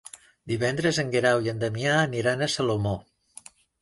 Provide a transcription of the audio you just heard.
Divendres en Guerau i en Damià aniran a Salomó.